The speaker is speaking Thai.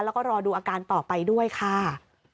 แล้วก็รอดูอาการต่อไปด้วยค่ะ